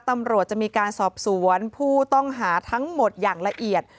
ตำรวจจะมีการสอบสวนผู้ต้องหาทั้งหมดอย่างละเอียด